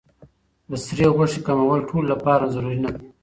د سرې غوښې کمول ټولو لپاره ضروري نه دي.